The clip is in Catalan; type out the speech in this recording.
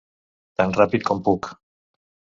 Tan ràpid com puc!